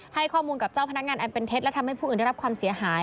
ให้ข้อมูลกับเจ้าพนักงานอันเป็นเท็จและทำให้ผู้อื่นได้รับความเสียหาย